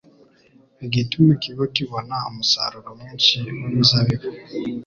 igatuma ikigo kibona umusaruro mwinshi w’imizabibu